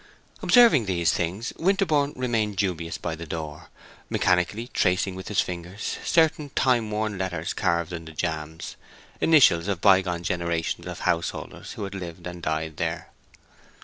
Observing these things, Winterborne remained dubious by the door, mechanically tracing with his fingers certain time worn letters carved in the jambs—initials of by gone generations of householders who had lived and died there.